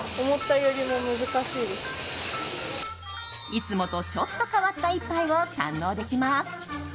いつもとちょっと変わった１杯を堪能できます。